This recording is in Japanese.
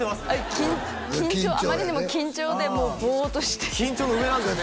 緊張あまりにも緊張でもうボーッとして緊張の上なんですね